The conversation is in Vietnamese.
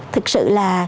thật sự là